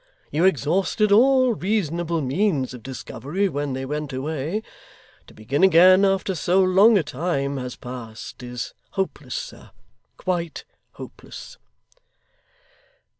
You exhausted all reasonable means of discovery when they went away. To begin again after so long a time has passed is hopeless, sir quite hopeless.